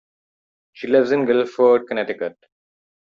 She lives in Guilford, Connecticut.